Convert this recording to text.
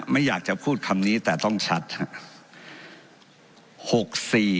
ไม่อยากจะพูดคำนี้แต่ต้องชัดครับ